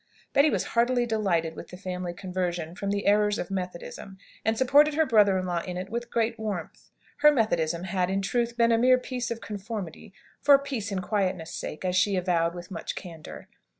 Betty was heartily delighted with the family conversion from the errors of Methodism, and supported her brother in law in it with great warmth. Her Methodism had, in truth, been a mere piece of conformity, for "peace and quietness' sake," as she avowed with much candour.